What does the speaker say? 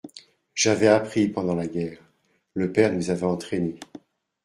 J’avais appris pendant la guerre. Le père nous avait entraînés